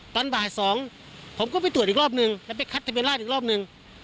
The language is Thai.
ตอนบ่ายสองผมก็ไปตรวจอีกรอบนึงแล้วไปคัดทะเบียนราชอีกรอบนึง